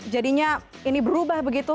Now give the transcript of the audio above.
jadinya ini berubah begitu